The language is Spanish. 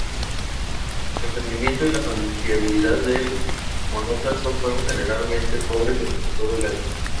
El rendimiento y la confiabilidad del monoplaza fueron generalmente pobres durante todo el año.